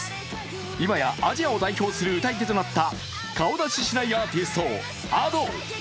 今やアジアを代表する歌姫となった顔出ししないアーティスト、Ａｄｏ。